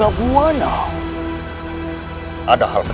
ada hal yang harus kita sehatkan